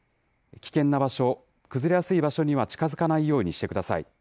危険な場所、崩れやすい場所には近づかないようにしてください。